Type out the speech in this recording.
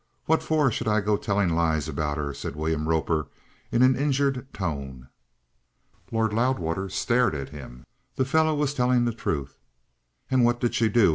What for should I go telling lies about 'er?" said William Roper in an injured tone. Lord Loudwater stared at him. The fellow was telling the truth. "And what did she do?